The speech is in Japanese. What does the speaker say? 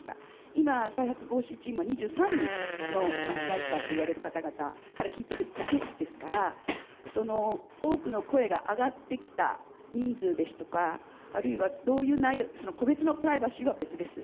今、再発防止チームは２３人の被害者といわれる方々から聞いてるだけですから多くの声が上がってきた人数ですとか個別のプライバシーは別です。